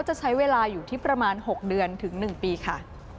จะใช้เวลาอยู่ที่ประมาณ๖เดือนถึง๑ปีค่ะ